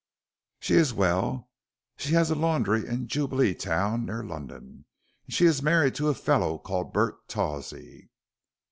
"She is well; she has a laundry in Jubileetown near London, and she is married to a fellow called Bart Tawsey."